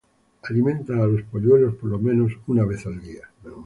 Alimentan a los polluelos por lo menos una vez al día.